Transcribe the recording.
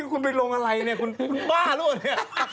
เป็นคุณไปลงอะไรเนี่ยคุณบ้าหรือเอาอย่างนี้